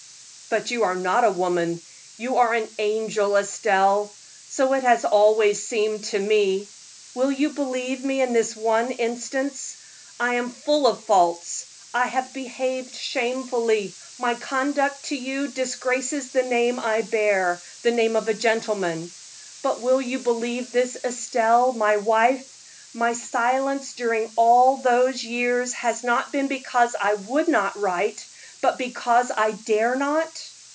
"But you are not a woman, you are an angel, Estelle so it has always seemed to me. Will you believe me in this one instance I am full of faults; I have behaved shamefully; my conduct to you disgraces the name I bear, the name of a gentleman but will you believe this, Estelle, my wife, my silence during all those years has not been because I would not write, but because I dare not?